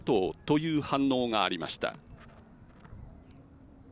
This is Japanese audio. という反応がありました。